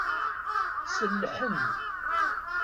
Sellḥen.